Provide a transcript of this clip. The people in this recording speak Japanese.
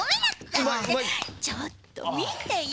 ちょっとみてよ。